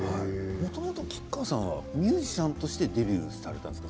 もともと吉川さんはミュージシャンとしてデビューされたんですか。